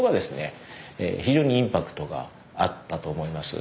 非常にインパクトがあったと思います。